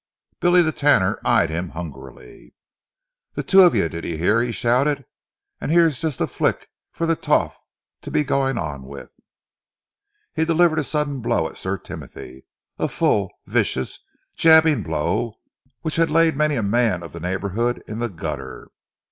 Billy the Tanner eyed him hungrily. "The two of you, d'yer 'ear?" he shouted. "And 'ere's just a flick for the toff to be going on with!" He delivered a sudden blow at Sir Timothy a full, vicious, jabbing blow which had laid many a man of the neighbourhood in the gutter.